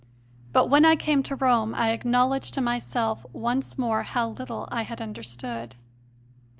But when I came to Rome I acknowledged to myself once more how little I had understood.